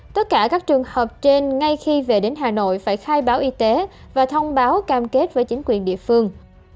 tất cả các trường hợp trên ngay khi về đến hà nội phải khai báo y tế và thông báo cam kết với chính quyền địa phương